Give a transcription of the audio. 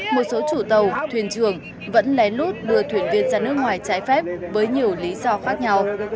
một số chủ tàu thuyền trường vẫn lén lút đưa thuyền viên ra nước ngoài trái phép với nhiều lý do khác nhau